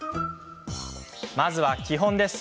まずは、基本です。